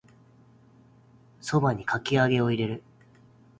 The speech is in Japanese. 蕎麦にかき揚げを入れる